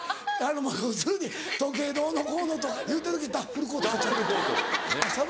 要するに時計どうのこうのとか言うてる時に「ダッフルコート買っちゃって」。